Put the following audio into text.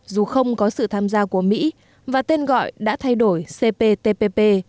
dù không có sự tham gia của mỹ và tên gọi đã thay đổi cptpp